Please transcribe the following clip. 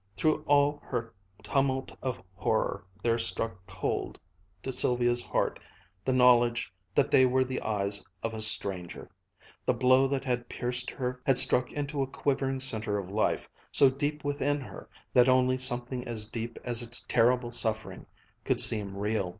Through all her tumult of horror, there struck cold to Sylvia's heart the knowledge that they were the eyes of a stranger. The blow that had pierced her had struck into a quivering center of life, so deep within her, that only something as deep as its terrible suffering could seem real.